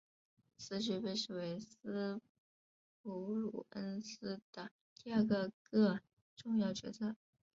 此举被视为斯普鲁恩斯的第二个个重要决策。